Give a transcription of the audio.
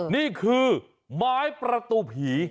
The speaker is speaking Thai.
นี่คือไม้ประตูผี